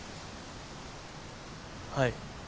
はい。